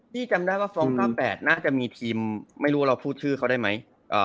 จำได้ว่าฟ้อง๙๘น่าจะมีทีมไม่รู้ว่าเราพูดชื่อเขาได้ไหม